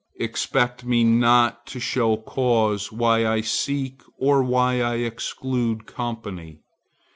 Expect me not to show cause why I seek or why I exclude company.